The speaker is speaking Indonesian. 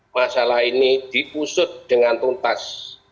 masalah ini diusut dengan tuntas